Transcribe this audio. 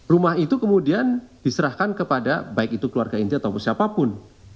rumah itu kemudian diserahkan kepada baik itu keluarga inti ataupun siapapun